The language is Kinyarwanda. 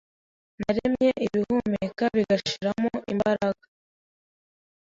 naremye bihumeka bigashiramo imbaraga